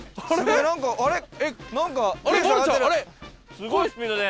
すごいスピードで。